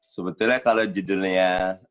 sebetulnya kalau judulnya